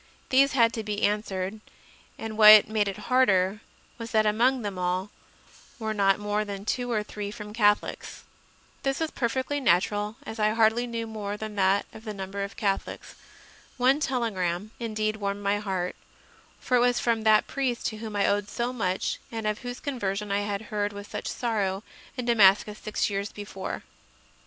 These had to be answered, and what made it harder was that among them all there were not more than two or three from Catholics. This was perfectly natural, as I hardly knew more than that number of Catholics. One telegram indeed warmed my heart; for it was from that priest to whom I owed so much and of whose conversion I had heard with such sorrow in Damascus six years before.